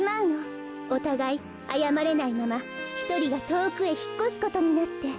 おたがいあやまれないままひとりがとおくへひっこすことになって。